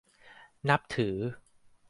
นับถือ